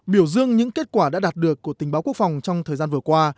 biểu dương những kết quả đã đạt được của tình báo quốc phòng trong thời gian vừa qua